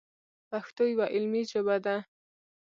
پښتو یوه علمي ژبه ده.